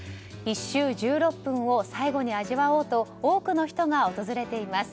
１周１６分を最後に味わおうと多くの人が訪れています。